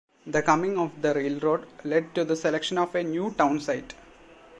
The coming of the railroad led to the selection of a new town site.